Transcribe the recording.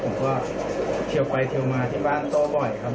ผมก็เทียวไปเทียวมาที่บ้านโต้บ่อยครับ